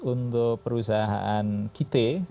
untuk perusahaan kita